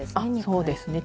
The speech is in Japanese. そうですね